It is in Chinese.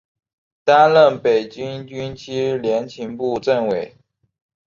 担任北京军区联勤部政委。